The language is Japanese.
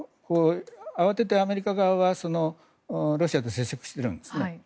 慌ててアメリカ側はロシアと接触しているんです。